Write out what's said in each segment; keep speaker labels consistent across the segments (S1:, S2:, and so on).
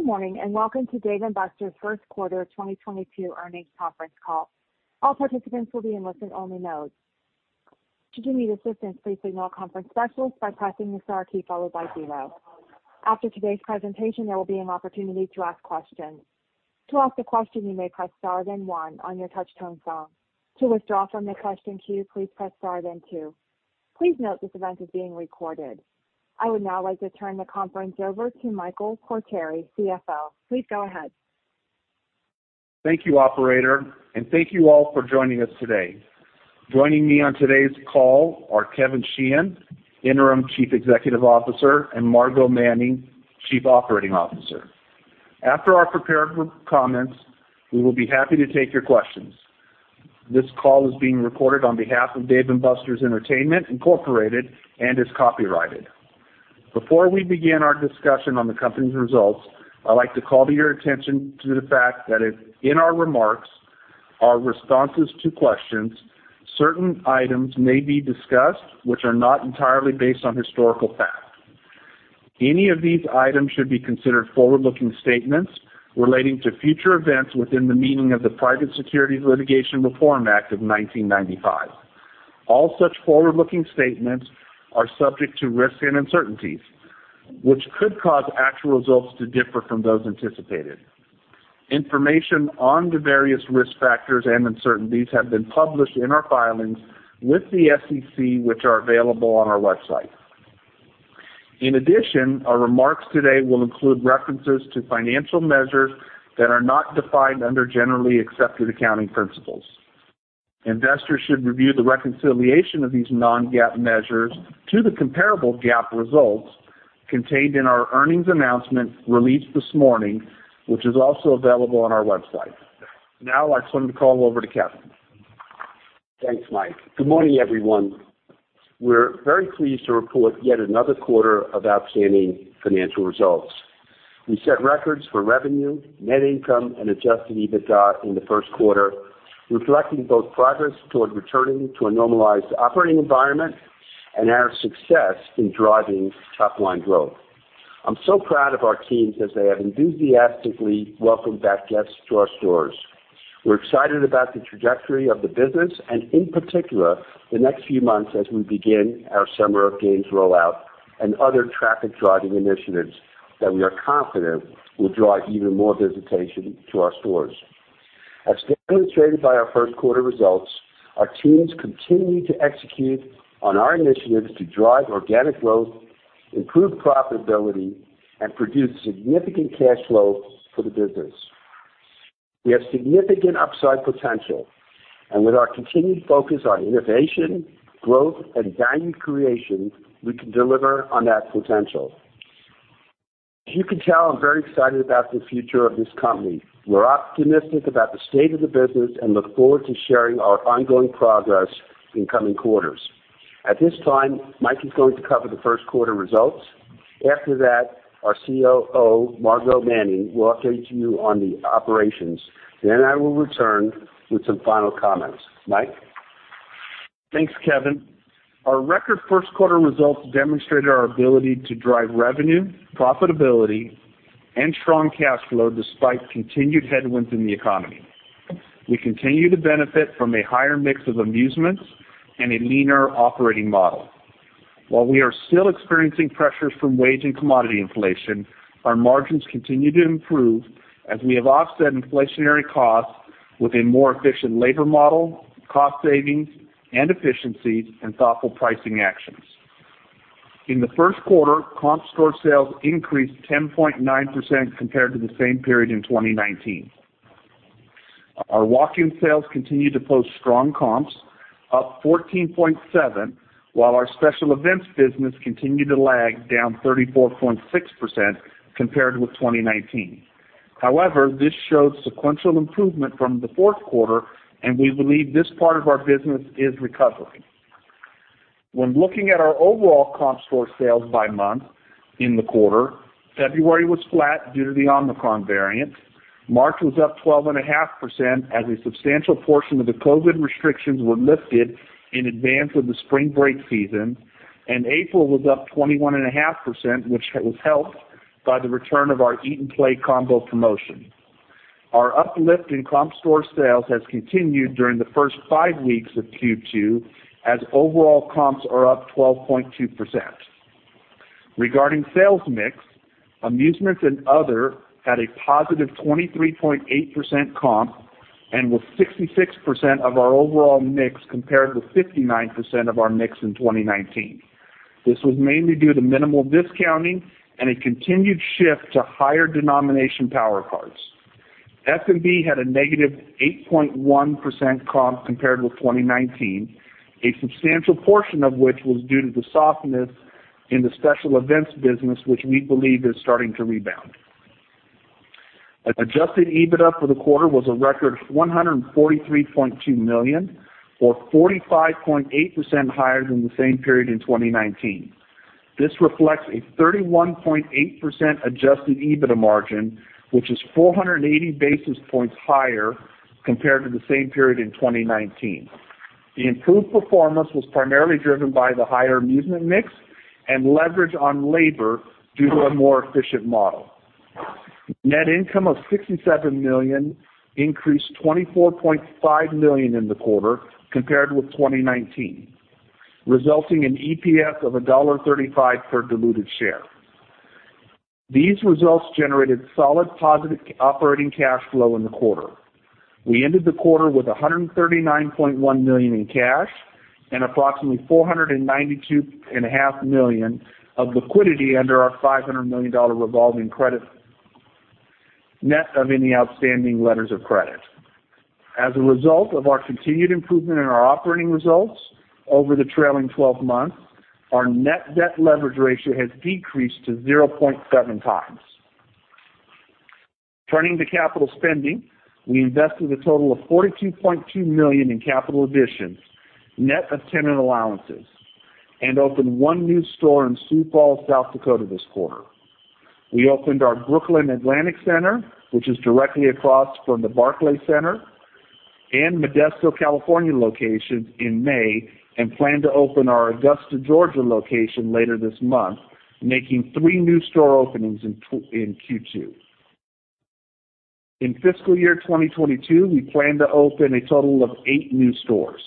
S1: Good morning, and welcome to Dave & Buster's first quarter 2022 earnings conference call. All participants will be in listen-only mode. Should you need assistance, please signal a conference specialist by pressing the star key followed by zero. After today's presentation, there will be an opportunity to ask questions. To ask a question, you may press star then one on your touchtone phone. To withdraw from the question queue, please press star then two. Please note this event is being recorded. I would now like to turn the conference over to Michael Quartieri, CFO. Please go ahead.
S2: Thank you, operator, and thank you all for joining us today. Joining me on today's call are Kevin Sheehan, Interim Chief Executive Officer, and Margo Manning, Chief Operating Officer. After our prepared comments, we will be happy to take your questions. This call is being recorded on behalf of Dave & Buster's Entertainment Incorporated and is copyrighted. Before we begin our discussion on the company's results, I'd like to call your attention to the fact that if in our remarks, our responses to questions, certain items may be discussed which are not entirely based on historical facts. Any of these items should be considered forward-looking statements relating to future events within the meaning of the Private Securities Litigation Reform Act of 1995. All such forward-looking statements are subject to risks and uncertainties, which could cause actual results to differ from those anticipated. Information on the various risk factors and uncertainties have been published in our filings with the SEC, which are available on our website. In addition, our remarks today will include references to financial measures that are not defined under generally accepted accounting principles. Investors should review the reconciliation of these non-GAAP measures to the comparable GAAP results contained in our earnings announcement released this morning, which is also available on our website. Now I'd like to turn the call over to Kevin.
S3: Thanks, Mike. Good morning, everyone. We're very pleased to report yet another quarter of outstanding financial results. We set records for revenue, net income, and Adjusted EBITDA in the first quarter, reflecting both progress toward returning to a normalized operating environment and our success in driving top-line growth. I'm so proud of our teams as they have enthusiastically welcomed back guests to our stores. We're excited about the trajectory of the business and in particular, the next few months as we begin our Summer of Games rollout and other traffic-driving initiatives that we are confident will drive even more visitation to our stores. As demonstrated by our first quarter results, our teams continue to execute on our initiatives to drive organic growth, improve profitability, and produce significant cash flow for the business. We have significant upside potential, and with our continued focus on innovation, growth, and value creation, we can deliver on that potential. As you can tell, I'm very excited about the future of this company. We're optimistic about the state of the business and look forward to sharing our ongoing progress in coming quarters. At this time, Mike is going to cover the first quarter results. After that, our COO, Margo Manning, will update you on the operations. Then I will return with some final comments. Mike?
S2: Thanks, Kevin. Our record first quarter results demonstrated our ability to drive revenue, profitability, and strong cash flow despite continued headwinds in the economy. We continue to benefit from a higher mix of amusements and a leaner operating model. While we are still experiencing pressures from wage and commodity inflation, our margins continue to improve as we have offset inflationary costs with a more efficient labor model, cost savings and efficiencies, and thoughtful pricing actions. In the first quarter, comp store sales increased 10.9% compared to the same period in 2019. Our walk-in sales continued to post strong comps, up 14.7%, while our special events business continued to lag down 34.6% compared with 2019. However, this showed sequential improvement from the fourth quarter, and we believe this part of our business is recovering. When looking at our overall comp store sales by month in the quarter, February was flat due to the Omicron variant. March was up 12.5% as a substantial portion of the COVID restrictions were lifted in advance of the spring break season, and April was up 21.5%, which was helped by the return of our Eat & Play Combo promotion. Our uplift in comp store sales has continued during the first five weeks of Q2 as overall comps are up 12.2%. Regarding sales mix, amusements and other had a positive 23.8% comp and with 66% of our overall mix compared with 59% of our mix in 2019. This was mainly due to minimal discounting and a continued shift to higher denomination Power Cards. D&B had a -8.1% comp compared with 2019, a substantial portion of which was due to the softness in the special events business, which we believe is starting to rebound. Adjusted EBITDA for the quarter was a record $143.2 million, or 45.8% higher than the same period in 2019. This reflects a 31.8% Adjusted EBITDA margin, which is 480 basis points higher compared to the same period in 2019. The improved performance was primarily driven by the higher amusement mix and leverage on labor due to a more efficient model. Net income of $67 million increased $24.5 million in the quarter compared with 2019, resulting in EPS of $1.35 per diluted share. These results generated solid positive operating cash flow in the quarter. We ended the quarter with $139.1 million in cash and approximately $492.5 million of liquidity under our $500 million revolving credit, net of any outstanding letters of credit. As a result of our continued improvement in our operating results over the trailing twelve months, our net debt leverage ratio has decreased to 0.7x. Turning to capital spending, we invested a total of $42.2 million in capital additions, net of tenant allowances, and opened one new store in Sioux Falls, South Dakota this quarter. We opened our Brooklyn Atlantic Center, which is directly across from the Barclays Center and Modesto, California location in May, and plan to open our Augusta, Georgia location later this month, making three new store openings in Q2. In fiscal year 2022, we plan to open a total of eight new stores.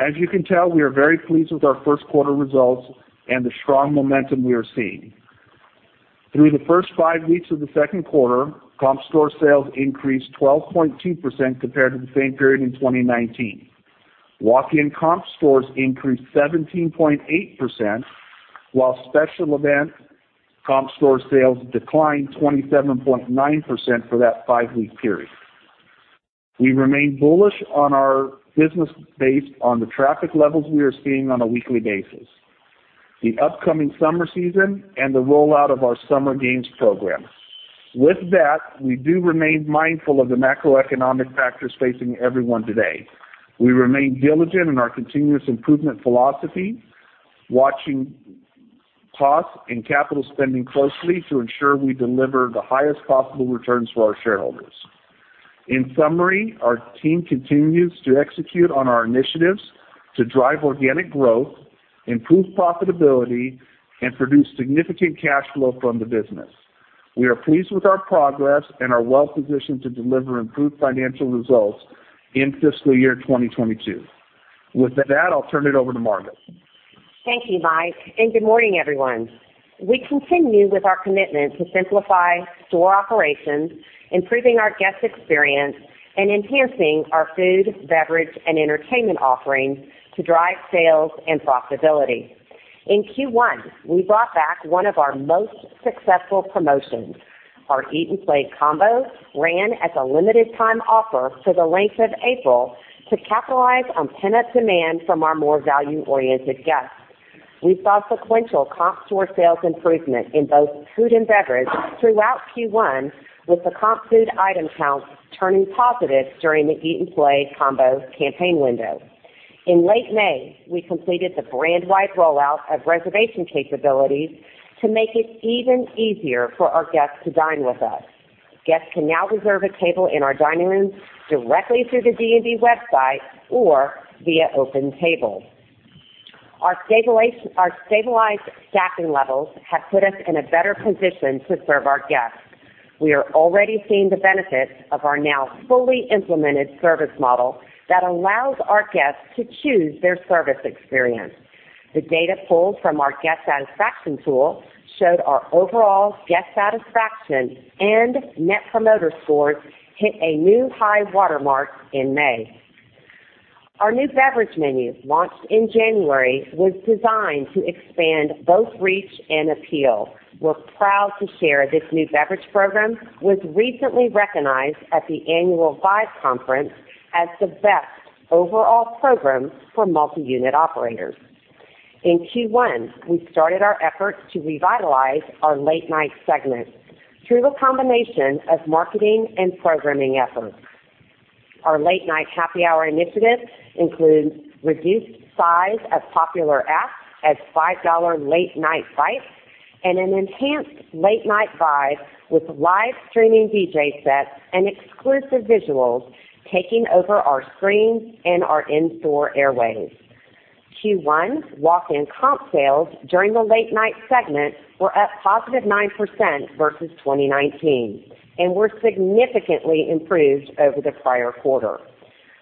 S2: As you can tell, we are very pleased with our first quarter results and the strong momentum we are seeing. Through the first five weeks of the second quarter, comp store sales increased 12.2% compared to the same period in 2019. Walk-in comp store sales increased 17.8%, while special event comp store sales declined 27.9% for that five week period. We remain bullish on our business based on the traffic levels we are seeing on a weekly basis, the upcoming summer season, and the rollout of our Summer of Games program. With that, we do remain mindful of the macroeconomic factors facing everyone today. We remain diligent in our continuous improvement philosophy, watching costs and capital spending closely to ensure we deliver the highest possible returns to our shareholders. In summary, our team continues to execute on our initiatives to drive organic growth, improve profitability and produce significant cash flow from the business. We are pleased with our progress and are well positioned to deliver improved financial results in fiscal year 2022. With that, I'll turn it over to Margo.
S4: Thank you, Mike, and good morning, everyone. We continue with our commitment to simplify store operations, improving our guest experience, and enhancing our food, beverage, and entertainment offerings to drive sales and profitability. In Q1, we brought back one of our most successful promotions. Our Eat & Play Combo ran as a limited time offer for the length of April to capitalize on pent-up demand from our more value-oriented guests. We saw sequential comp store sales improvement in both food and beverage throughout Q1, with the comp food item count turning positive during the Eat & Play Combo campaign window. In late May, we completed the brand-wide rollout of reservation capabilities to make it even easier for our guests to dine with us. Guests can now reserve a table in our dining rooms directly through the D&B website or via OpenTable. Our stabilized staffing levels have put us in a better position to serve our guests. We are already seeing the benefits of our now fully implemented service model that allows our guests to choose their service experience. The data pulled from our guest satisfaction tool showed our overall guest satisfaction and net promoter scores hit a new high watermark in May. Our new beverage menu, launched in January, was designed to expand both reach and appeal. We're proud to share this new beverage program was recently recognized at the annual Vibe Conference as the best overall program for multi-unit operators. In Q1, we started our efforts to revitalize our late night segment through a combination of marketing and programming efforts. Our Late Night Happy Hour initiative includes reduced size of popular apps as $5 Late Night Bites and an enhanced late night vibe with live streaming DJ sets and exclusive visuals taking over our screens and our in-store airwaves. Q1 walk-in comp sales during the late night segment were up positive 9% versus 2019, and were significantly improved over the prior quarter.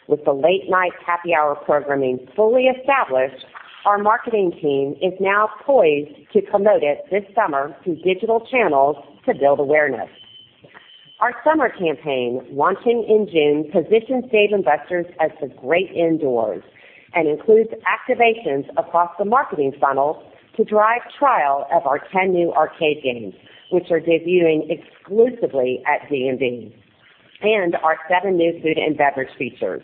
S4: With the Late Night Happy Hour programming fully established, our marketing team is now poised to promote it this summer through digital channels to build awareness. Our summer campaign, launching in June, positions Dave & Buster's as the great indoors and includes activations across the marketing funnel to drive trial of our 10 new arcade games, which are debuting exclusively at D&B, and our seven new food and beverage features.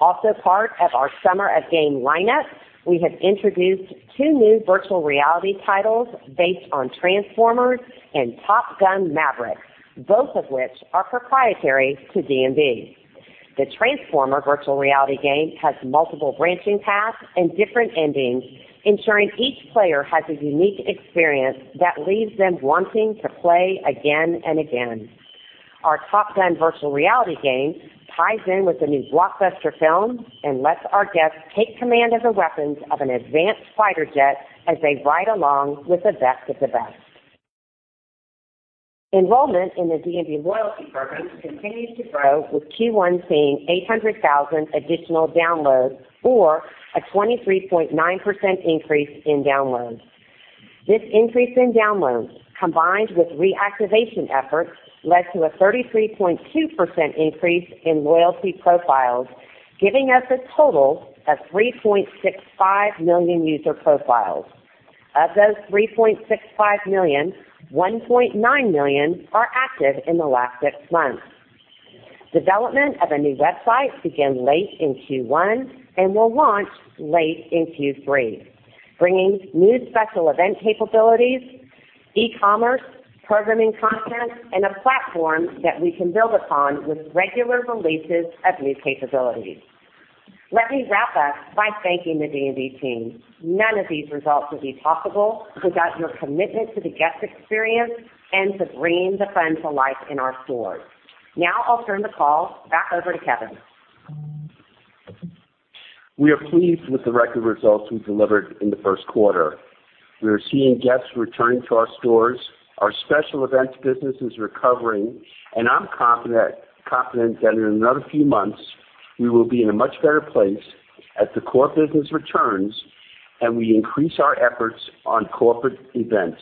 S4: Also part of our Summer of Games lineup, we have introduced two new virtual reality titles based on Transformers and Top Gun: Maverick, both of which are proprietary to D&B. The Transformers virtual reality game has multiple branching paths and different endings, ensuring each player has a unique experience that leaves them wanting to play again and again. Our Top Gun virtual reality game ties in with the new blockbuster film and lets our guests take command of the weapons of an advanced fighter jet as they ride along with the best of the best. Enrollment in the D&B loyalty program continues to grow, with Q1 seeing 800,000 additional downloads or a 23.9% increase in downloads. This increase in downloads, combined with reactivation efforts, led to a 33.2% increase in loyalty profiles, giving us a total of 3.65 million user profiles. Of those 3.65 million, 1.9 million are active in the last six months. Development of a new website began late in Q1 and will launch late in Q3, bringing new special event capabilities, e-commerce, programming content, and a platform that we can build upon with regular releases of new capabilities. Let me wrap up by thanking the D&B team. None of these results would be possible without your commitment to the guest experience and to bringing the brand to life in our stores. Now I'll turn the call back over to Kevin.
S3: We are pleased with the record results we delivered in the first quarter. We are seeing guests returning to our stores. Our special events business is recovering, and I'm confident that in another few months we will be in a much better place as the core business returns, and we increase our efforts on corporate events.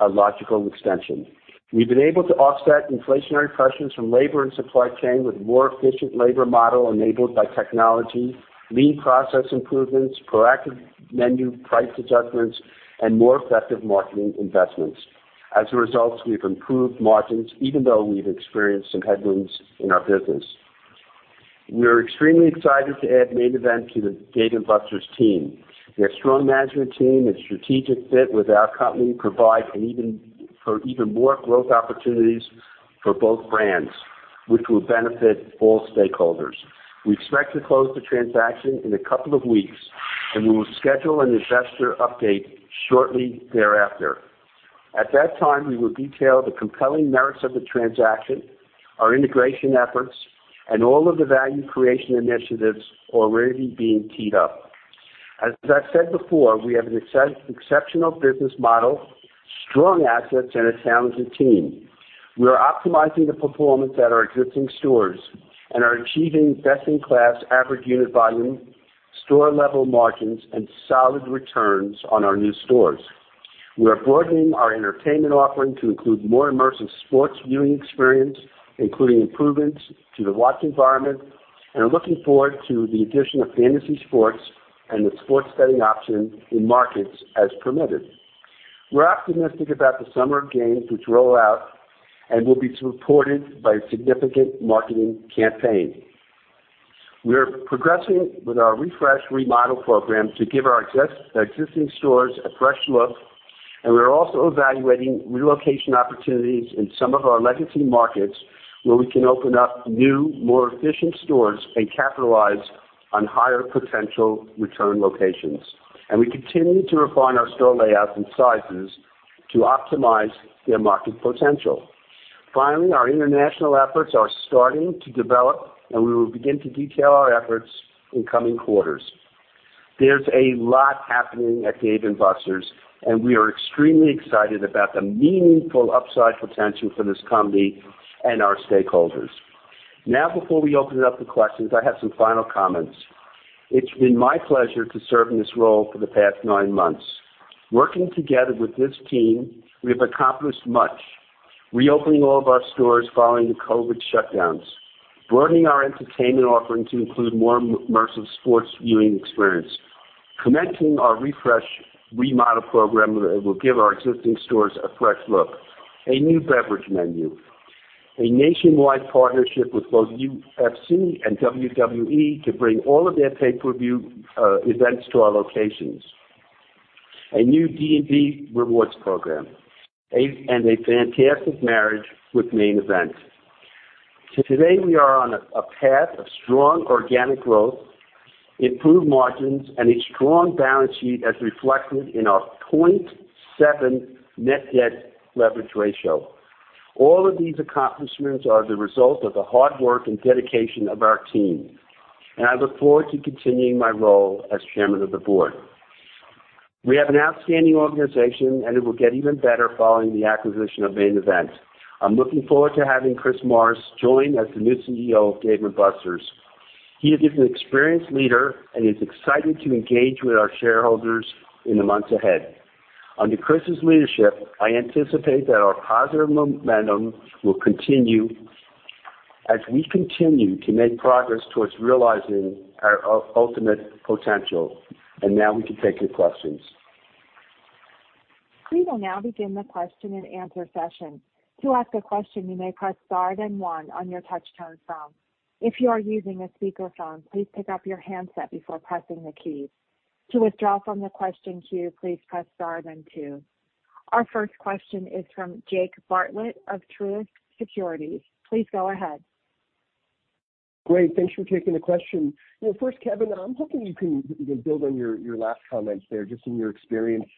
S3: A logical extension. We've been able to offset inflationary pressures from labor and supply chain with more efficient labor model enabled by technology, lean process improvements, proactive menu price adjustments, and more effective marketing investments. As a result, we've improved margins even though we've experienced some headwinds in our business. We are extremely excited to add Main Event to the Dave & Buster's team. Their strong management team and strategic fit with our company provide for even more growth opportunities for both brands, which will benefit all stakeholders. We expect to close the transaction in a couple of weeks, and we will schedule an investor update shortly thereafter. At that time, we will detail the compelling merits of the transaction, our integration efforts, and all of the value creation initiatives already being teed up. As I've said before, we have an exceptional business model, strong assets, and a talented team. We are optimizing the performance at our existing stores and are achieving best-in-class average unit volume, store-level margins, and solid returns on our new stores. We are broadening our entertainment offering to include more immersive sports viewing experience, including improvements to the watch environment, and are looking forward to the addition of fantasy sports and the sports betting option in markets as permitted. We're optimistic about the Summer of Games, which roll out and will be supported by a significant marketing campaign. We are progressing with our refresh remodel program to give our existing stores a fresh look, and we are also evaluating relocation opportunities in some of our legacy markets where we can open up new, more efficient stores and capitalize on higher potential return locations. We continue to refine our store layouts and sizes to optimize their market potential. Finally, our international efforts are starting to develop, and we will begin to detail our efforts in coming quarters. There's a lot happening at Dave & Buster's, and we are extremely excited about the meaningful upside potential for this company and our stakeholders. Now, before we open it up to questions, I have some final comments. It's been my pleasure to serve in this role for the past nine months. Working together with this team, we have accomplished much. Reopening all of our stores following the COVID shutdowns. Broadening our entertainment offering to include more immersive sports viewing experience. Commencing our refresh remodel program that will give our existing stores a fresh look. A new beverage menu. A nationwide partnership with both UFC and WWE to bring all of their pay-per-view events to our locations. A new D&B Rewards program. A fantastic merger with Main Event. Today, we are on a path of strong organic growth, improved margins, and a strong balance sheet, as reflected in our 0.7 net debt leverage ratio. All of these accomplishments are the result of the hard work and dedication of our team, and I look forward to continuing my role as chairman of the board. We have an outstanding organization, and it will get even better following the acquisition of Main Event. I'm looking forward to having Chris Morris join as the new CEO of Dave & Buster's. He is an experienced leader and is excited to engage with our shareholders in the months ahead. Under Chris's leadership, I anticipate that our positive momentum will continue as we continue to make progress towards realizing our ultimate potential. Now we can take your questions.
S1: We will now begin the question-and-answer session. To ask a question, you may press star then one on your touch-tone phone. If you are using a speakerphone, please pick up your handset before pressing the keys. To withdraw from the question queue, please press star then two. Our first question is from Jake Bartlett of Truist Securities. Please go ahead.
S5: Great. Thanks for taking the question. Well, first, Kevin, I'm hoping you can, you know, build on your last comments there, just in your experience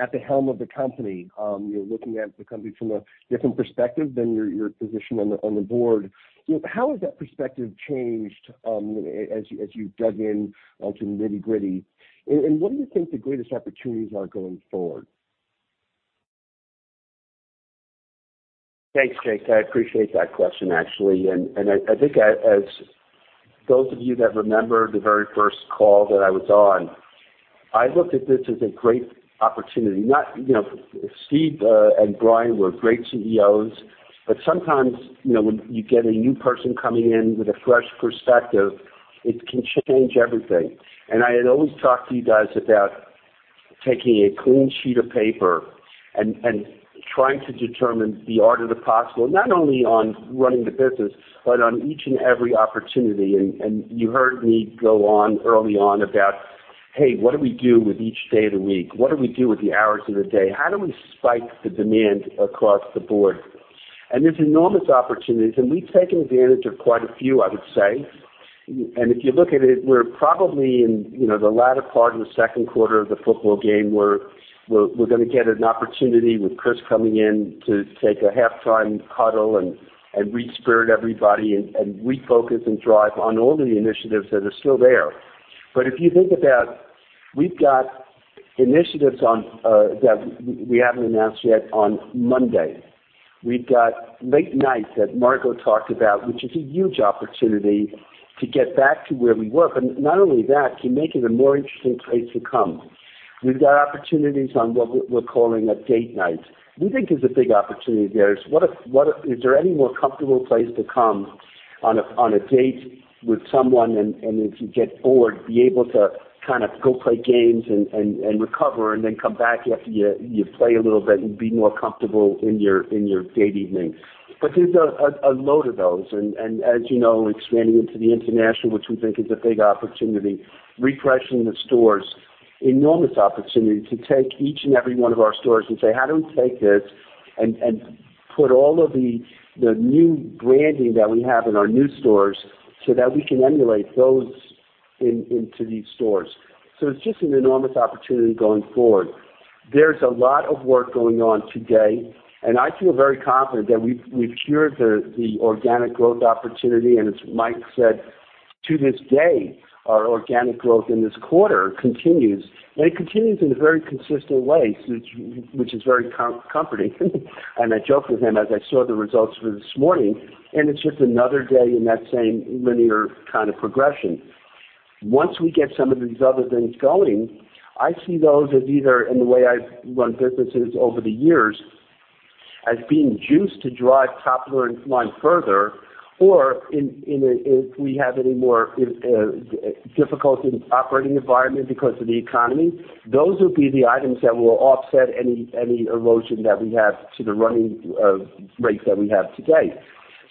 S5: at the helm of the company. You're looking at the company from a different perspective than your position on the board. You know, how has that perspective changed as you've dug in to the nitty-gritty? What do you think the greatest opportunities are going forward?
S3: Thanks, Jake. I appreciate that question, actually. I think as those of you that remember the very first call that I was on, I looked at this as a great opportunity. Not, you know, Steve and Brian were great CEOs, but sometimes, you know, when you get a new person coming in with a fresh perspective, it can change everything. I had always talked to you guys about taking a clean sheet of paper and trying to determine the art of the possible, not only on running the business, but on each and every opportunity. You heard me go on early on about, hey, what do we do with each day of the week? What do we do with the hours of the day? How do we spike the demand across the board? There's enormous opportunities, and we've taken advantage of quite a few, I would say. If you look at it, we're probably in, you know, the latter part of the second quarter of the football game, where we're gonna get an opportunity with Chris coming in to take a halftime huddle and re-spirit everybody and refocus and drive on all the initiatives that are still there. If you think about, we've got initiatives on that we haven't announced yet on Monday. We've got late nights that Margo talked about, which is a huge opportunity to get back to where we were. Not only that, to make it a more interesting place to come. We've got opportunities on what we're calling a date night. We think there's a big opportunity there. What if is there any more comfortable place to come on a date with someone and if you get bored, be able to kind of go play games and recover and then come back after you play a little bit and be more comfortable in your date evening. There's a load of those. As you know, expanding into the international, which we think is a big opportunity. Refreshing the stores, enormous opportunity to take each and every one of our stores and say, "How do we take this and put all of the new branding that we have in our new stores so that we can emulate those into these stores?" It's just an enormous opportunity going forward. There's a lot of work going on today, and I feel very confident that we've cured the organic growth opportunity. As Mike said, to this day, our organic growth in this quarter continues, and it continues in a very consistent way, which is very comforting. I joked with him as I saw the results for this morning, and it's just another day in that same linear kind of progression. Once we get some of these other things going, I see those as either, in the way I've run businesses over the years, as being juiced to drive top line further, or if we have any more difficulty operating environment because of the economy, those will be the items that will offset any erosion that we have to the running rates that we have today.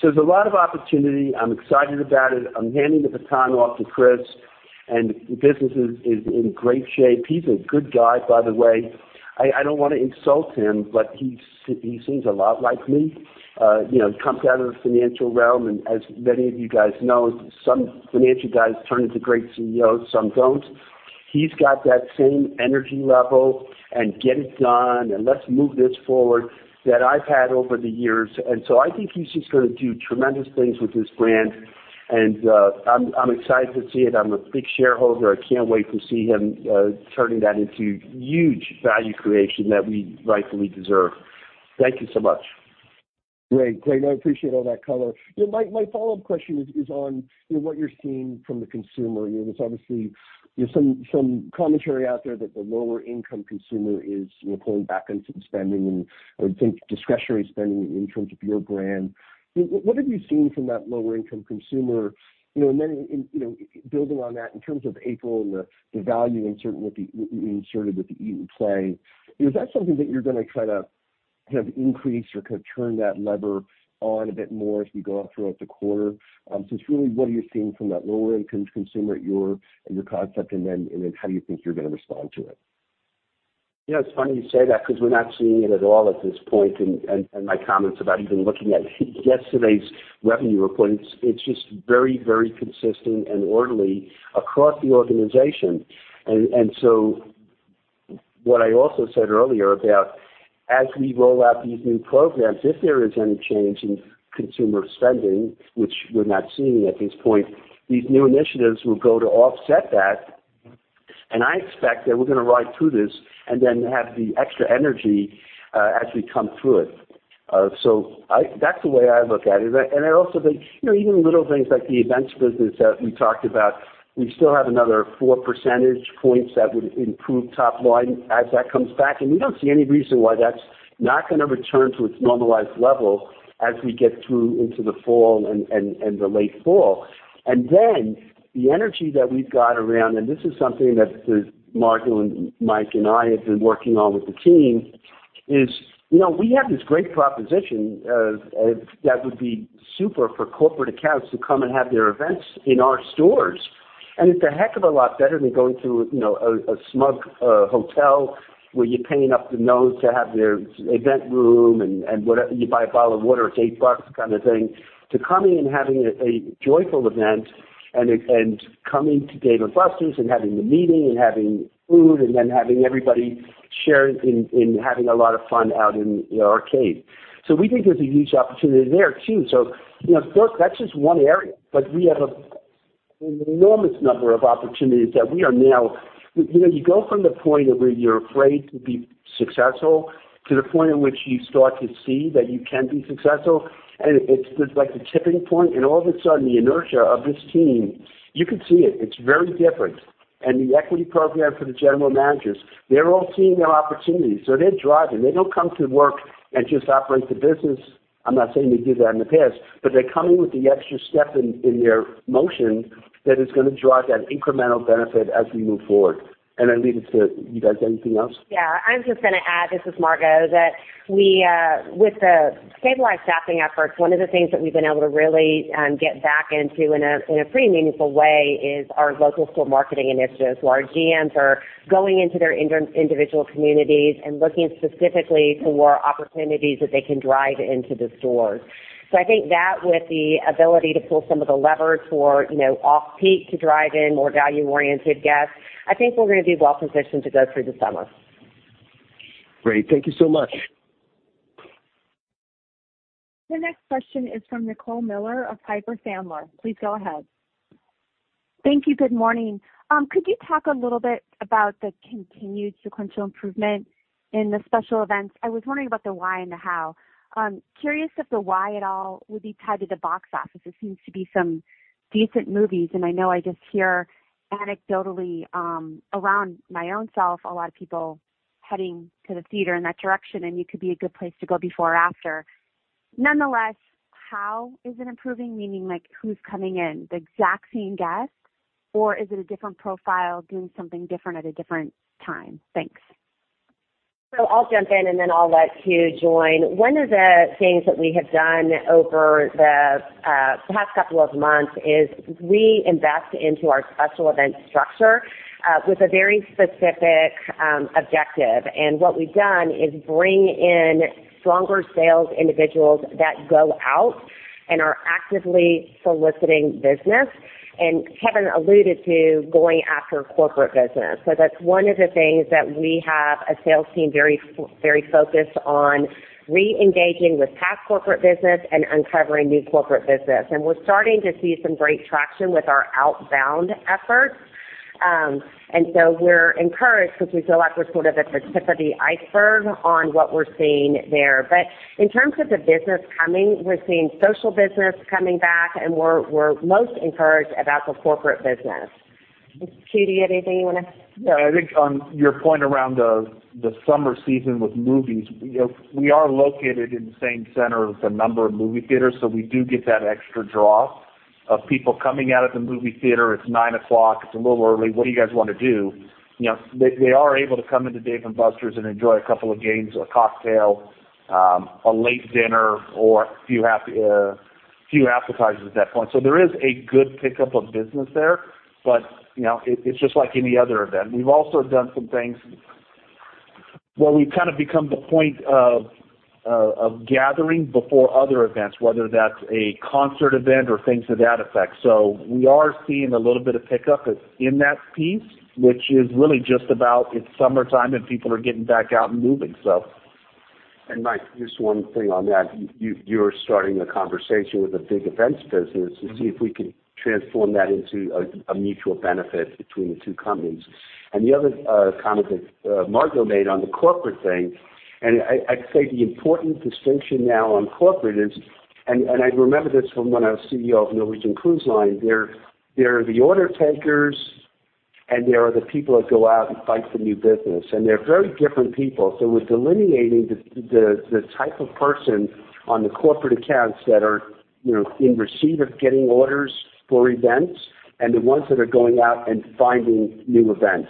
S3: There's a lot of opportunity. I'm excited about it. I'm handing the baton off to Chris, and the business is in great shape. He's a good guy, by the way. I don't wanna insult him, but he seems a lot like me. You know, comes out of the financial realm. As many of you guys know, some financial guys turn into great CEOs, some don't. He's got that same energy level and get it done, and let's move this forward that I've had over the years. I think he's just gonna do tremendous things with this brand, and I'm excited to see it. I'm a big shareholder. I can't wait to see him turning that into huge value creation that we rightfully deserve. Thank you so much.
S5: Great. I appreciate all that color. Yeah, my follow-up question is on, you know, what you're seeing from the consumer. You know, there's obviously, you know, some commentary out there that the lower income consumer is, you know, pulling back on some spending and, I would think, discretionary spending in terms of your brand. What have you seen from that lower income consumer? You know, and then, you know, building on that, in terms of April and the value insert with the Eat & Play, is that something that you're gonna try to kind of increase or kind of turn that lever on a bit more as we go on throughout the quarter? It's really what are you seeing from that lower income consumer at your concept, and then how do you think you're gonna respond to it?
S3: You know, it's funny you say that 'cause we're not seeing it at all at this point and my comments about even looking at yesterday's revenue report, it's just very, very consistent and orderly across the organization. What I also said earlier about as we roll out these new programs, if there is any change in consumer spending, which we're not seeing at this point, these new initiatives will go to offset that. I expect that we're gonna ride through this and then have the extra energy as we come through it. That's the way I look at it. I also think, you know, even little things like the events business that we talked about, we still have another 4 percentage points that would improve top line as that comes back. We don't see any reason why that's not gonna return to its normalized level as we get through into the fall and the late fall. Then the energy that we've got around, and this is something that Margo and Mike and I have been working on with the team, is, you know, we have this great proposition that would be super for corporate accounts to come and have their events in our stores. It's a heck of a lot better than going to, you know, a smug hotel where you're paying through the nose to have their event room and you buy a bottle of water, it's eight bucks kind of thing, to coming and having a joyful event and coming to Dave & Buster's and having the meeting and having food, and then having everybody sharing in having a lot of fun out in the arcade. We think there's a huge opportunity there too. You know, Kirk, that's just one area, but we have an enormous number of opportunities that we are now. You know, you go from the point of where you're afraid to be successful to the point at which you start to see that you can be successful, and it's just like the tipping point, and all of a sudden, the inertia of this team, you can see it's very different. The equity program for the general managers, they're all seeing their opportunities, so they're driving. They don't come to work and just operate the business. I'm not saying they do that in the past, but they're coming with the extra step in their motion that is gonna drive that incremental benefit as we move forward. I leave it to you guys. Anything else?
S4: Yeah. I'm just gonna add, this is Margo, that we, with the stabilized staffing efforts, one of the things that we've been able to really get back into in a pretty meaningful way is our local store marketing initiatives, where our GMs are going into their individual communities and looking specifically for opportunities that they can drive into the stores. I think that with the ability to pull some of the levers for, you know, off-peak to drive in more value-oriented guests, I think we're gonna be well positioned to go through the summer.
S5: Great. Thank you so much.
S1: The next question is from Nicole Miller of Piper Sandler. Please go ahead.
S6: Thank you. Good morning. Could you talk a little bit about the continued sequential improvement in the special events? I was wondering about the why and the how. Curious if the why at all would be tied to the box office. There seems to be some decent movies, and I know I just hear anecdotally, around my own self, a lot of people heading to the theater in that direction, and you could be a good place to go before or after. Nonetheless, how is it improving? Meaning like who's coming in? The exact same guests, or is it a different profile doing something different at a different time? Thanks.
S4: I'll jump in and then I'll let you join. One of the things that we have done over the past couple of months is reinvest into our special event structure with a very specific objective. What we've done is bring in stronger sales individuals that go out and are actively soliciting business. Kevin alluded to going after corporate business. That's one of the things that we have a sales team very focused on reengaging with past corporate business and uncovering new corporate business. We're starting to see some great traction with our outbound efforts. We're encouraged because we feel like we're sort of at the tip of the iceberg on what we're seeing there. But in terms of the business coming, we're seeing social business coming back, and we're most encouraged about the corporate business. Kevin, you have anything you wanna?
S2: Yeah. I think on your point around the summer season with movies, you know, we are located in the same center as a number of movie theaters, so we do get that extra draw of people coming out of the movie theater. It's 9:00 P.M., it's a little early. What do you guys wanna do? You know, they are able to come into Dave & Buster's and enjoy a couple of games or cocktail, a late dinner or a few appetizers at that point. So there is a good pickup of business there, but you know, it's just like any other event. We've also done some things where we've kind of become the point of gathering before other events, whether that's a concert event or things to that effect. We are seeing a little bit of pickup in that piece, which is really just about it's summertime and people are getting back out and moving, so.
S3: Mike, just one thing on that. You're starting a conversation with a big events business to see if we could transform that into a mutual benefit between the two companies. The other comment that Margo made on the corporate thing, and I'd say the important distinction now on corporate is, and I remember this from when I was CEO of Norwegian Cruise Line, there are the order takers, and there are the people that go out and fight for new business, and they're very different people. So we're delineating the type of person on the corporate accounts that are, you know, in receipt of getting orders for events and the ones that are going out and finding new events.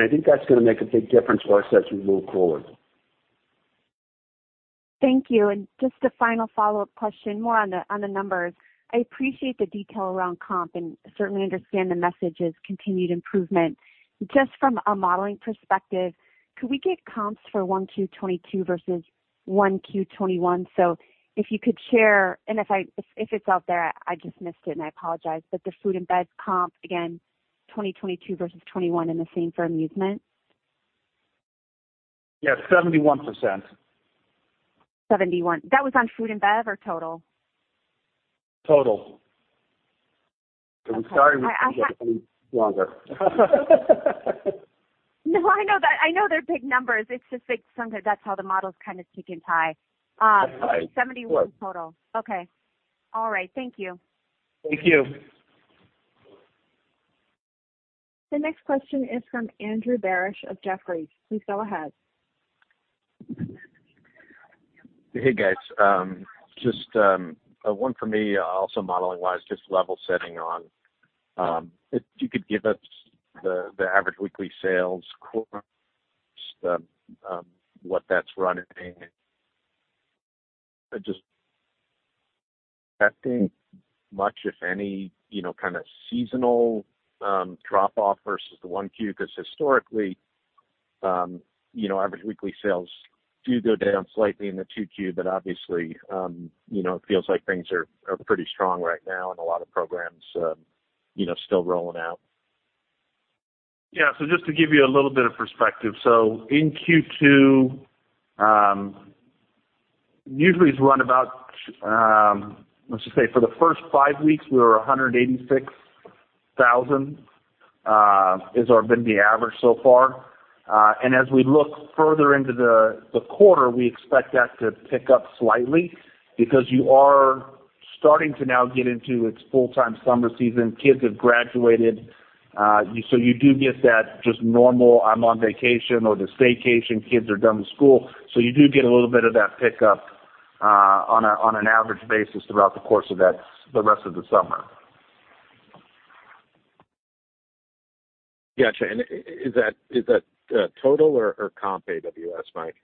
S3: I think that's gonna make a big difference for us as we move forward.
S6: Thank you. Just a final follow-up question, more on the numbers. I appreciate the detail around comp and certainly understand the message is continued improvement. Just from a modeling perspective, could we get comps for 1Q 2022 versus 1Q 2021? So if you could share, and if it's out there, I just missed it, and I apologize, but the food and bev comp, again, 2022 versus 2021 and the same for amusement.
S2: Yeah, 71%.
S6: 71%. That was on food and bev or total?
S2: Total.
S6: I-
S2: We're starting with food and getting longer.
S6: No, I know that. I know they're big numbers. It's just like sometimes that's how the models kind of tick and tie. Okay.
S2: Right.
S6: 71% total. Okay. All right. Thank you.
S2: Thank you.
S1: The next question is from Andrew Barish of Jefferies. Please go ahead.
S7: Hey, guys. Just one for me, also modeling-wise, just level setting on if you could give us the average weekly sales comp, what that's running at, just how much, if any, you know, kind of seasonal drop off versus the 1Q, because historically, you know, average weekly sales do go down slightly in the 2Q, but obviously, you know, it feels like things are pretty strong right now and a lot of programs you know still rolling out.
S2: Yeah. Just to give you a little bit of perspective. In Q2, usually it's run about, let's just say for the first five weeks we were 186,000 is our average so far. And as we look further into the quarter, we expect that to pick up slightly because you are starting to now get into its full-time summer season. Kids have graduated, so you do get that just normal, I'm on vacation or the staycation, kids are done with school. You do get a little bit of that pickup, on an average basis throughout the course of that, the rest of the summer.
S7: Got you. Is that total or comp AWS, Mike?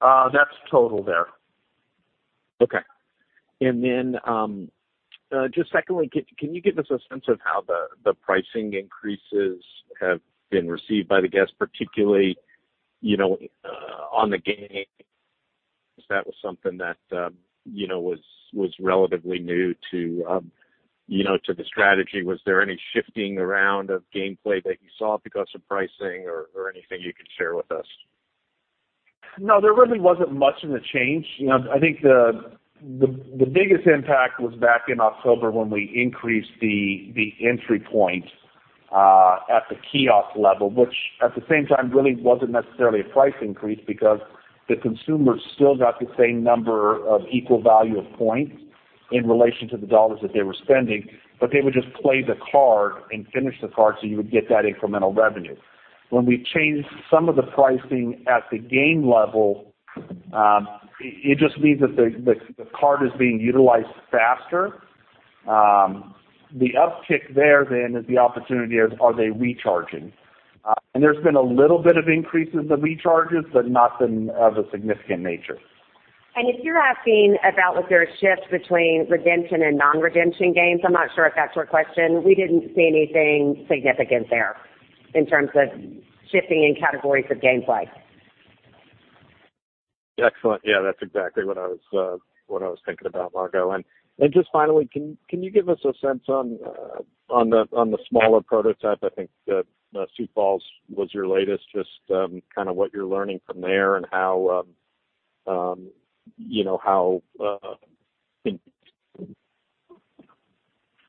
S2: That's total there.
S7: Okay. Just secondly, can you give us a sense of how the pricing increases have been received by the guests, particularly, you know, on the game? Because that was something that, you know, was relatively new to, you know, to the strategy. Was there any shifting around of gameplay that you saw because of pricing or anything you could share with us?
S2: No, there really wasn't much of a change. You know, I think the biggest impact was back in October when we increased the entry point at the kiosk level, which at the same time really wasn't necessarily a price increase because the consumer still got the same number of equal value of points in relation to the dollars that they were spending, but they would just play the card and finish the card, so you would get that incremental revenue. When we changed some of the pricing at the game level, it just means that the card is being utilized faster. The uptick there then is the opportunity of are they recharging? There's been a little bit of increase in the recharges, but nothing of a significant nature.
S4: If you're asking about was there a shift between redemption and non-redemption games, I'm not sure if that's your question. We didn't see anything significant there in terms of shifting in categories of gameplay.
S7: Excellent. Yeah, that's exactly what I was thinking about, Margo. Just finally, can you give us a sense on the smaller prototype? I think that Sioux Falls was your latest, just kind of what you're learning from there and how you know how.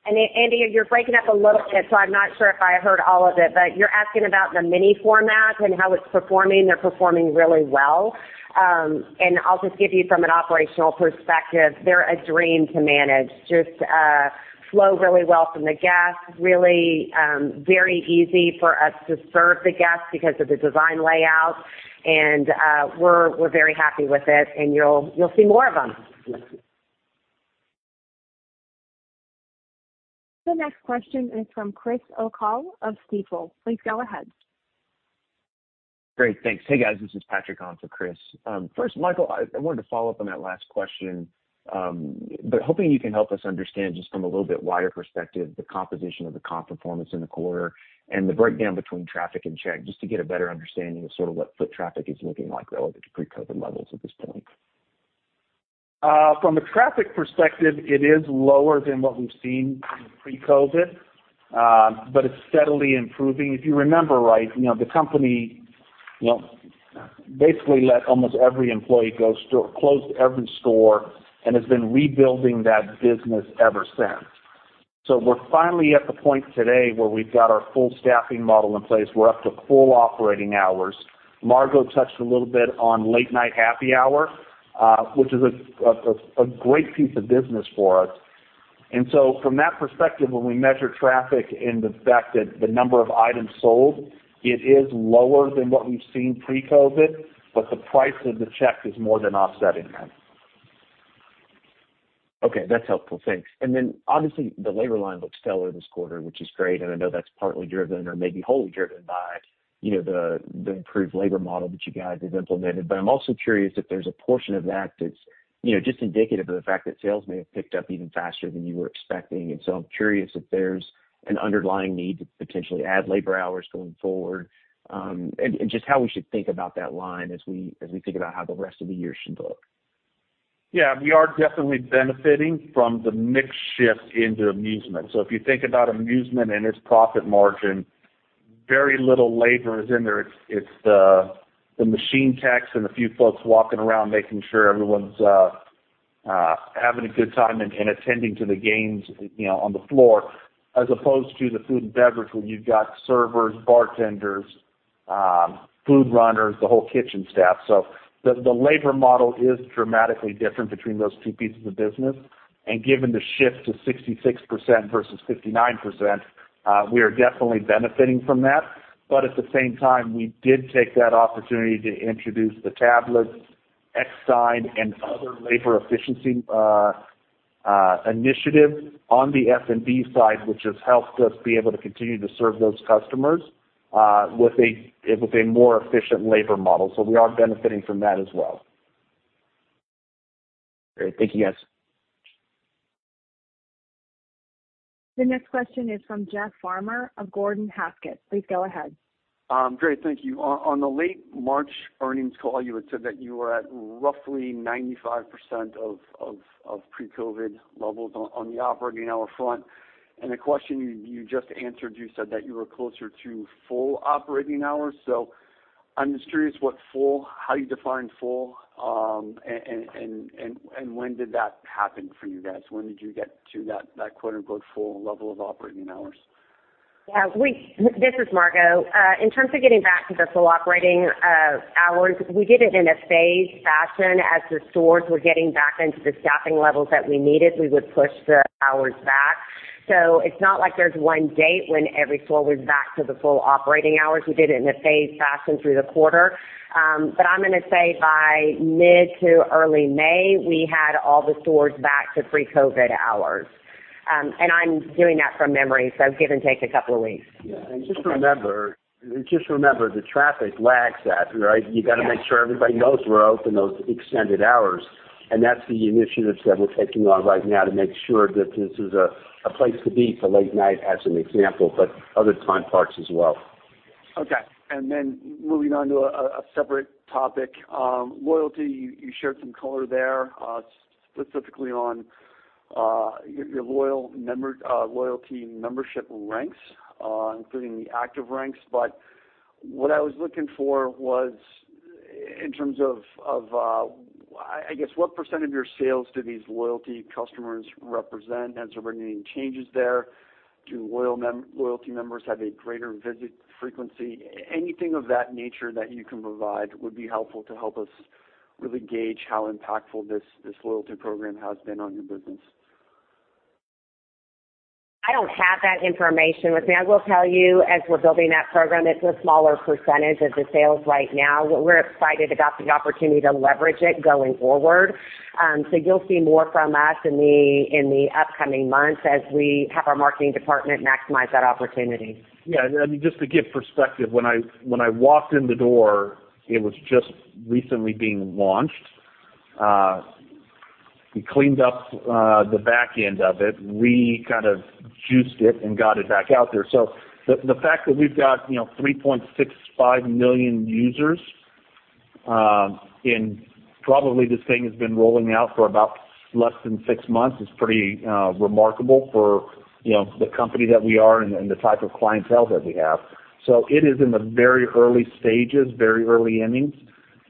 S4: Andy, you're breaking up a little bit, so I'm not sure if I heard all of it, but you're asking about the mini format and how it's performing. They're performing really well. I'll just give you from an operational perspective, they're a dream to manage. Just flow really well from the guests. Really very easy for us to serve the guests because of the design layout. We're very happy with it, and you'll see more of them.
S1: The next question is from Chris O'Cull of Stifel. Please go ahead.
S8: Great, thanks. Hey, guys. This is Patrick on for Chris. First, Michael, I wanted to follow up on that last question, hoping you can help us understand just from a little bit wider perspective, the composition of the comp performance in the quarter and the breakdown between traffic and check, just to get a better understanding of sort of what foot traffic is looking like relative to pre-COVID levels at this point.
S2: From a traffic perspective, it is lower than what we've seen pre-COVID, but it's steadily improving. If you remember right, you know, the company, you know, basically let almost every employee go, close every store and has been rebuilding that business ever since. We're finally at the point today where we've got our full staffing model in place. We're up to full operating hours. Margo touched a little bit on Late-Night Happy Hour, which is a great piece of business for us. From that perspective, when we measure traffic and the fact that the number of items sold, it is lower than what we've seen pre-COVID, but the price of the check is more than offsetting that.
S8: Okay, that's helpful. Thanks. Then obviously, the labor line looked stellar this quarter, which is great, and I know that's partly driven or maybe wholly driven by, you know, the improved labor model that you guys have implemented. I'm also curious if there's a portion of that that's, you know, just indicative of the fact that sales may have picked up even faster than you were expecting. I'm curious if there's an underlying need to potentially add labor hours going forward, and just how we should think about that line as we think about how the rest of the year should look.
S2: Yeah, we are definitely benefiting from the mix shift into amusement. If you think about amusement and its profit margin, very little labor is in there. It's the machine techs and a few folks walking around making sure everyone's having a good time and attending to the games, you know, on the floor, as opposed to the food and beverage, where you've got servers, bartenders, food runners, the whole kitchen staff. The labor model is dramatically different between those two pieces of business. Given the shift to 66% versus 59%, we are definitely benefiting from that. At the same time, we did take that opportunity to introduce the tablets, ex dine, and other labor efficiency. Initiative on the F&B side, which has helped us be able to continue to serve those customers with a more efficient labor model. We are benefiting from that as well.
S8: Great. Thank you, guys.
S1: The next question is from Jeff Farmer of Gordon Haskett. Please go ahead.
S9: Great, thank you. On the late March earnings call, you had said that you were at roughly 95% of pre-COVID levels on the operating hour front. The question you just answered, you said that you were closer to full operating hours. I'm just curious what full, how you define full, and when did that happen for you guys? When did you get to that quote-unquote full level of operating hours?
S4: This is Margo. In terms of getting back to the full operating hours, we did it in a phased fashion. As the stores were getting back into the staffing levels that we needed, we would push the hours back. It's not like there's one date when every store was back to the full operating hours. We did it in a phased fashion through the quarter. I'm gonna say by mid to early May, we had all the stores back to pre-COVID hours. I'm doing that from memory, so give and take a couple of weeks.
S3: Yeah, just remember the traffic lags that, right?
S4: Yes.
S3: You gotta make sure everybody knows we're open those extended hours, and that's the initiatives that we're taking on right now to make sure that this is a place to be for late night as an example, but other time parts as well.
S9: Okay. Then moving on to a separate topic. Loyalty, you shared some color there, specifically on your loyalty membership ranks, including the active ranks. What I was looking for was in terms of, I guess, what percent of your sales do these loyalty customers represent? Are we getting any changes there? Do loyalty members have a greater visit frequency? Anything of that nature that you can provide would be helpful to help us really gauge how impactful this loyalty program has been on your business.
S4: I don't have that information with me. I will tell you, as we're building that program, it's a smaller percentage of the sales right now. We're excited about the opportunity to leverage it going forward. You'll see more from us in the upcoming months as we have our marketing department maximize that opportunity.
S2: Yeah, I mean, just to give perspective, when I walked in the door, it was just recently being launched. We cleaned up the back end of it. We kind of juiced it and got it back out there. The fact that we've got, you know, 3.65 million users and probably this thing has been rolling out for about less than six months is pretty remarkable for, you know, the company that we are and the type of clientele that we have. It is in the very early stages, very early innings,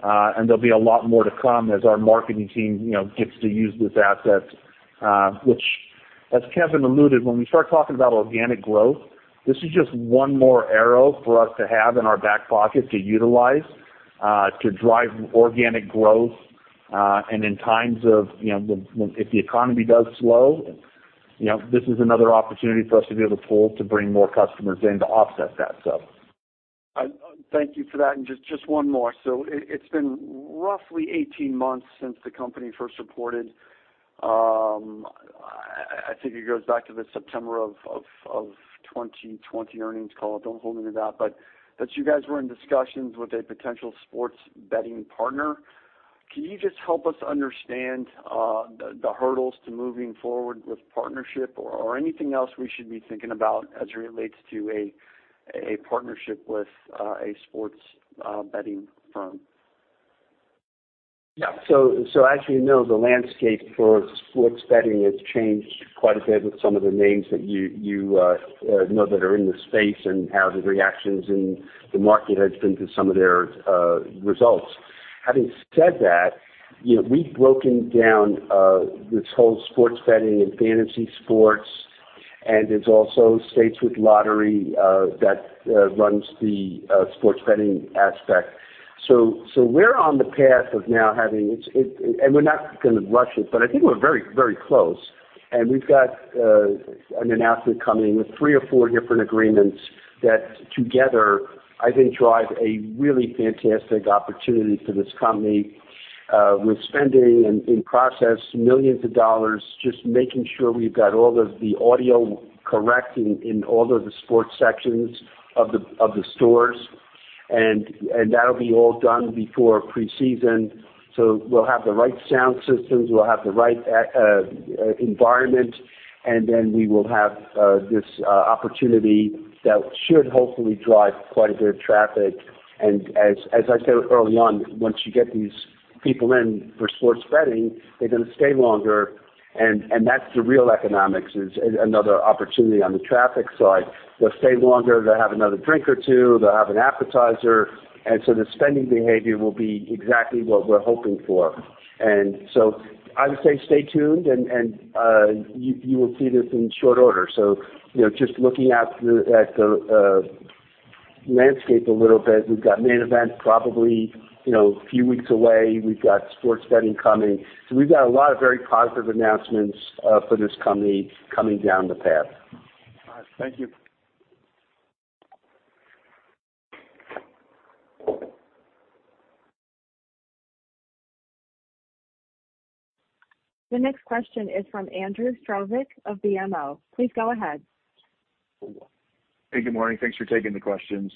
S2: and there'll be a lot more to come as our marketing team, you know, gets to use this asset, which as Kevin alluded, when we start talking about organic growth, this is just one more arrow for us to have in our back pocket to utilize to drive organic growth. In times of, you know, when if the economy does slow, you know, this is another opportunity for us to be able to pull to bring more customers in to offset that.
S9: I thank you for that. Just one more. It's been roughly 18-months since the company first reported. I think it goes back to the September of 2020 earnings call. Don't hold me to that. That you guys were in discussions with a potential sports betting partner. Can you just help us understand the hurdles to moving forward with partnership or anything else we should be thinking about as it relates to a partnership with a sports betting firm?
S3: Yeah. As you know, the landscape for sports betting has changed quite a bit with some of the names that you know that are in the space and how the reactions in the market has been to some of their results. Having said that, you know, we've broken down this whole sports betting and fantasy sports, and it's also states with lottery that runs the sports betting aspect. We're on the path of now having it and we're not gonna rush it, but I think we're very close. We've got an announcement coming with three or four different agreements that together I think drive a really fantastic opportunity for this company. We're spending in process millions of dollars just making sure we've got all of the audio correct in all of the sports sections of the stores. That'll be all done before preseason. We'll have the right sound systems. We'll have the right environment, and then we will have this opportunity that should hopefully drive quite a bit of traffic. As I said early on, once you get these people in for sports betting, they're gonna stay longer and that's the real economics is another opportunity on the traffic side. They'll stay longer. They'll have another drink or two. They'll have an appetizer. The spending behavior will be exactly what we're hoping for. I would say stay tuned and you will see this in short order. You know, just looking out at the landscape a little bit, we've got Main Event probably, you know, a few weeks away. We've got sports betting coming. We've got a lot of very positive announcements for this company coming down the path.
S9: All right. Thank you.
S1: The next question is from Andrew Strelzik of BMO. Please go ahead.
S10: Hey, good morning. Thanks for taking the questions.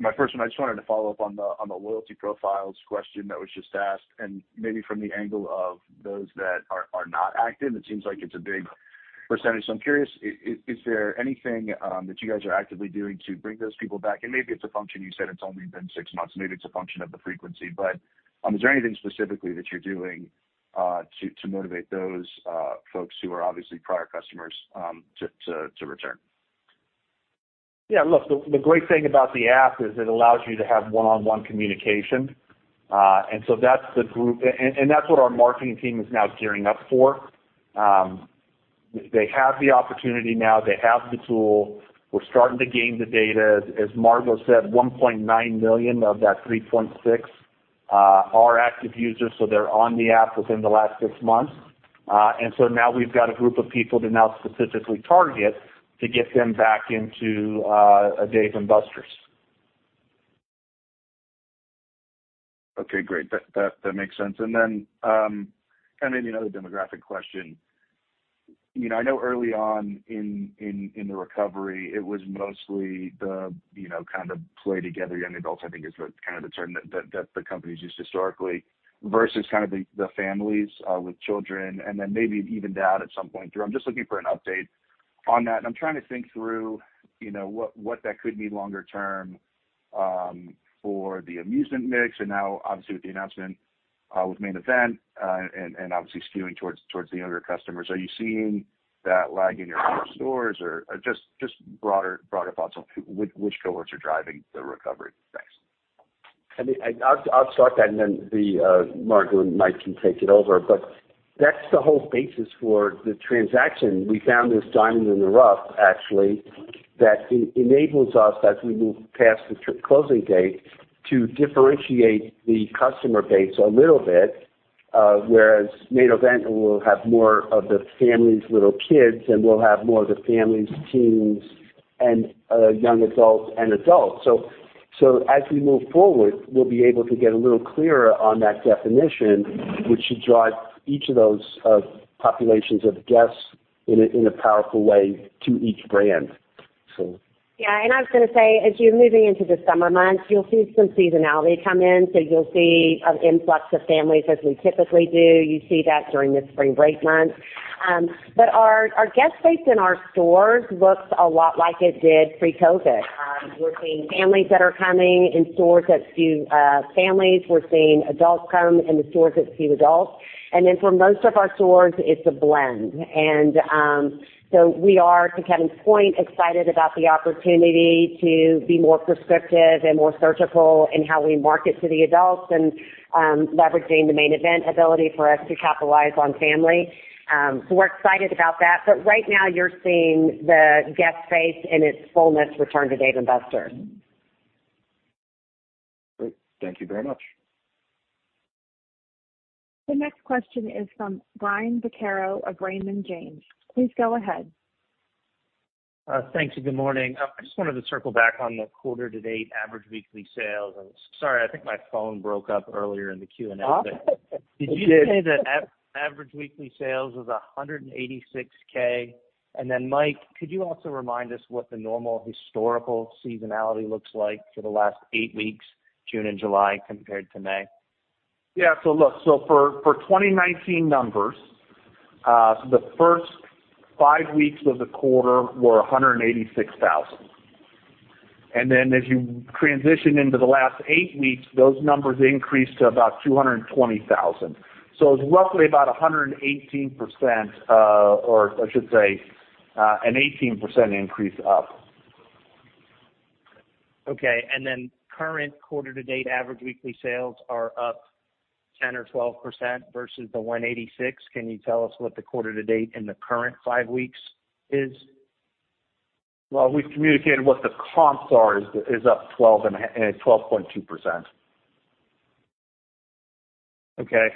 S10: My first one, I just wanted to follow up on the loyalty profiles question that was just asked, and maybe from the angle of those that are not active, it seems like it's a big percentage. I'm curious, is there anything that you guys are actively doing to bring those people back? Maybe it's a function, you said it's only been six months. Maybe it's a function of the frequency, but is there anything specifically that you're doing to motivate those folks who are obviously prior customers to return?
S2: Yeah, look, the great thing about the app is it allows you to have one-on-one communication. That's the group. That's what our marketing team is now gearing up for. They have the opportunity now. They have the tool. We're starting to gain the data. As Margo said, 1.9 million of that 3.6 are active users, so they're on the app within the last six months. Now we've got a group of people to now specifically target to get them back into Dave & Buster's.
S10: Okay, great. That makes sense. Then, kind of maybe another demographic question. You know, I know early on in the recovery, it was mostly the, you know, kind of play together young adults, I think is the kind of the term that the company's used historically, versus kind of the families with children, and then maybe it evened out at some point. I'm just looking for an update on that, and I'm trying to think through, you know, what that could mean longer term for the amusement mix. Now obviously with the announcement with Main Event, and obviously skewing towards the younger customers. Are you seeing that lag in your stores or just broader thoughts on which cohorts are driving the recovery? Thanks.
S3: I mean, I'll start that and then Margo and Mike can take it over. That's the whole basis for the transaction. We found this diamond in the rough, actually, that enables us as we move past the closing date to differentiate the customer base a little bit, whereas Main Event will have more of the families, little kids, and we'll have more of the families, teens and young adults and adults. As we move forward, we'll be able to get a little clearer on that definition, which should drive each of those populations of guests in a powerful way to each brand.
S4: Yeah. I was gonna say, as you're moving into the summer months, you'll see some seasonality come in. You'll see an influx of families as we typically do. You see that during the spring break months. Our guest base in our stores looks a lot like it did pre-COVID. We're seeing families that are coming in stores that skew families. We're seeing adults come in the stores that skew adults. Then for most of our stores, it's a blend. We are, to Kevin's point, excited about the opportunity to be more prescriptive and more surgical in how we market to the adults and leveraging the Main Event ability for us to capitalize on family. We're excited about that. Right now you're seeing the guest base in its fullness return to Dave & Buster's.
S10: Great. Thank you very much.
S1: The next question is from Brian Vaccaro of Raymond James. Please go ahead.
S11: Thank you. Good morning. I just wanted to circle back on the quarter to date average weekly sales. I'm sorry, I think my phone broke up earlier in the Q&A. Did you say that average weekly sales was $186,000? Mike, could you also remind us what the normal historical seasonality looks like for the last eight weeks, June and July, compared to May?
S2: Yeah. Look, for 2019 numbers, the first five weeks of the quarter were $186,000. As you transition into the last eight weeks, those numbers increase to about $220,000. It's roughly about 118%, or I should say, an 18% increase up.
S11: Okay. Current quarter to date average weekly sales are up 10% or 12% versus the $186,000. Can you tell us what the quarter to date in the current five weeks is?
S2: Well, we've communicated what the comps are is up 12.2%.
S11: Okay.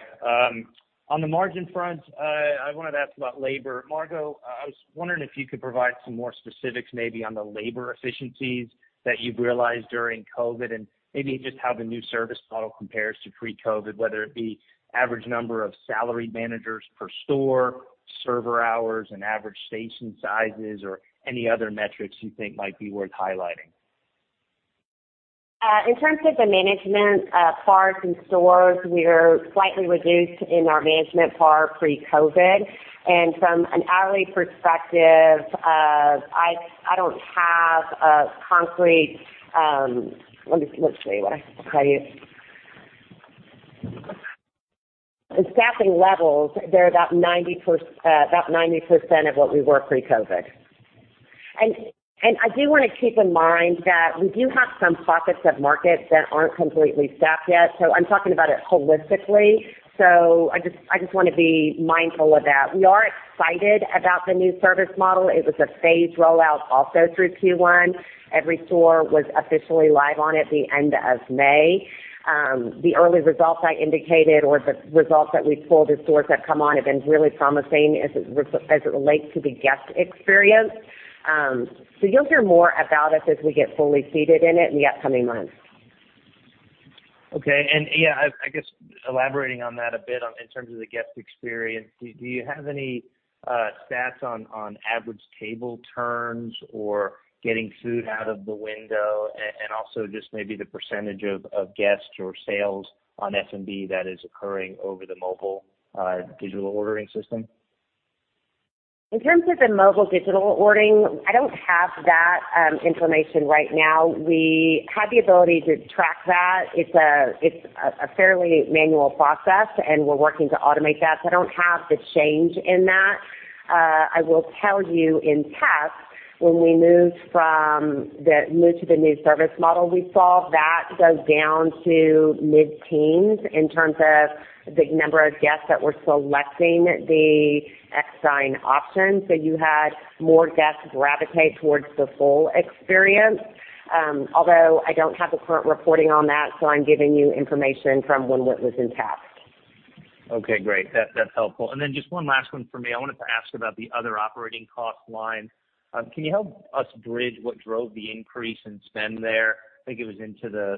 S11: On the margin front, I wanted to ask about labor. Margo, I was wondering if you could provide some more specifics maybe on the labor efficiencies that you've realized during COVID, and maybe just how the new service model compares to pre-COVID, whether it be average number of salaried managers per store, server hours and average station sizes or any other metrics you think might be worth highlighting?
S4: In terms of the management, parks and stores, we're slightly reduced in our management par pre-COVID. From an hourly perspective, I don't have a concrete. Let me see what I can tell you. The staffing levels, they're about 90% of what we were pre-COVID. I do wanna keep in mind that we do have some pockets of markets that aren't completely staffed yet. I'm talking about it holistically. I wanna be mindful of that. We are excited about the new service model. It was a phased rollout also through Q1. Every store was officially live on it the end of May. The early results I indicated or the results that we pulled as stores that come on have been really promising as it relates to the guest experience. You'll hear more about us as we get fully seated in it in the upcoming months.
S11: Okay. Yeah, I guess elaborating on that a bit, in terms of the guest experience, do you have any stats on average table turns or getting food out of the window and also just maybe the percentage of guests or sales on SMB that is occurring over the mobile digital ordering system?
S4: In terms of the mobile digital ordering, I don't have that information right now. We have the ability to track that. It's a fairly manual process, and we're working to automate that. I don't have the change in that. I will tell you in tests, when we moved to the new service model, we saw that go down to mid-teens in terms of the number of guests that were selecting the ex dine option. You had more guests gravitate towards the full experience. Although I don't have the current reporting on that, I'm giving you information from when it was in test.
S11: Okay, great. That's helpful. Just one last one for me. I wanted to ask about the other operating cost line. Can you help us bridge what drove the increase in spend there? I think it was into the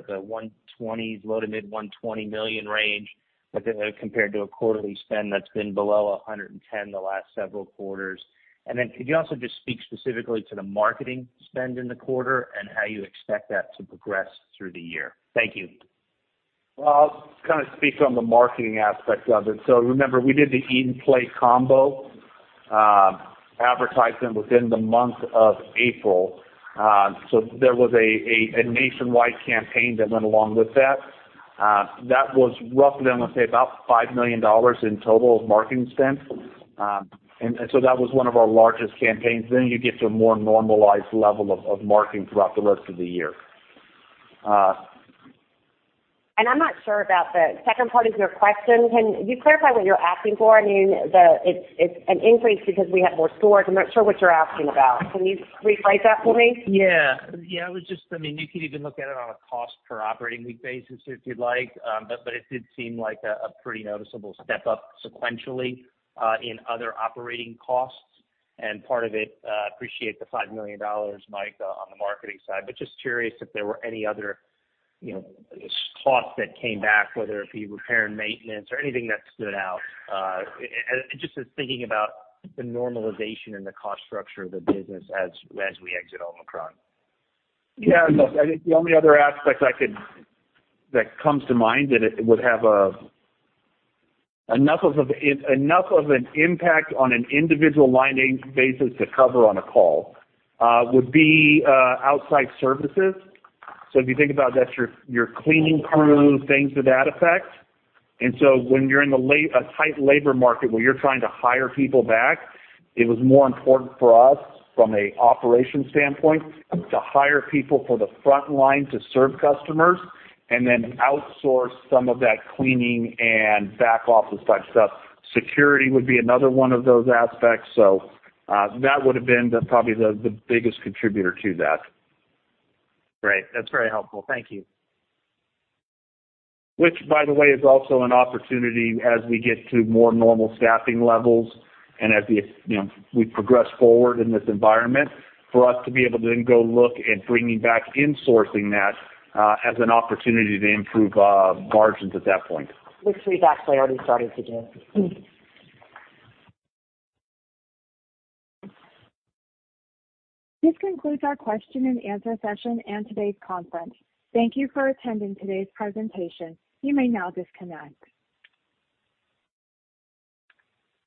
S11: 120s, low- to mid-$120 million range, but then compared to a quarterly spend that's been below $110 million the last several quarters. Could you also just speak specifically to the marketing spend in the quarter and how you expect that to progress through the year? Thank you.
S2: Well, I'll kind of speak on the marketing aspect of it. Remember we did the Eat & Play Combo advertisement within the month of April. There was a nationwide campaign that went along with that. That was roughly, I'm gonna say about $5 million in total of marketing spend. That was one of our largest campaigns. You get to a more normalized level of marketing throughout the rest of the year.
S4: I'm not sure about the second part of your question. Can you clarify what you're asking for? I mean, it's an increase because we have more stores. I'm not sure what you're asking about. Can you rephrase that for me?
S11: Yeah. Yeah, I mean, you could even look at it on a cost per operating week basis if you'd like. But it did seem like a pretty noticeable step up sequentially in other operating costs. Part of it appreciate the $5 million, Mike, on the marketing side, but just curious if there were any other, you know, costs that came back, whether it be repair and maintenance or anything that stood out. Just as thinking about the normalization and the cost structure of the business as we exit Omicron.
S2: Yeah. No, I think the only other aspect that comes to mind that it would have enough of an impact on an individual line item basis to cover on a call would be outside services. If you think about that, your cleaning crew, things to that effect. When you're in a tight labor market where you're trying to hire people back, it was more important for us from an operational standpoint to hire people for the front line to serve customers and then outsource some of that cleaning and back office type stuff. Security would be another one of those aspects. That would've been probably the biggest contributor to that.
S11: Great. That's very helpful. Thank you.
S2: Which by the way, is also an opportunity as we get to more normal staffing levels and as the, you know, we progress forward in this environment for us to be able to then go look at bringing back insourcing that, as an opportunity to improve margins at that point.
S4: Which we've actually already started to do.
S1: This concludes our question-and-answer session and today's conference. Thank you for attending today's presentation. You may now disconnect.